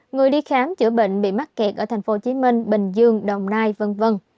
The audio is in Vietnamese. người đi khám chữa bệnh bị mắc kẹt ở thành phố hồ chí minh bình dương đồng nai v v